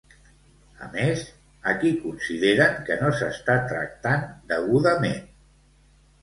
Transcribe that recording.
A més, a qui consideren que no s'està tractant degudament?